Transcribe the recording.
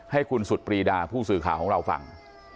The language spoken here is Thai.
ให้คุณสุดปรีดาผู้สื่อข่าวของเราฟัง